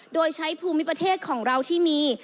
โดยใช้ภูมิประเทศของเราที่มี